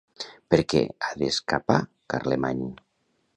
Per què ha d'escapar Carlemany?